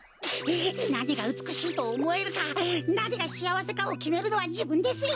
なにがうつくしいとおもえるかなにがしあわせかをきめるのはじぶんですよ。